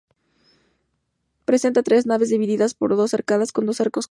Presenta tres naves divididas por dos arcadas, con dos arcos cada una.